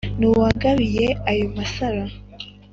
n’uwangabiye ayo masaro